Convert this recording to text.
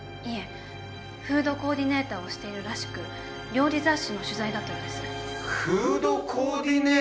いえフードコーディネーターをしているらしく料理雑誌の取材だったようです。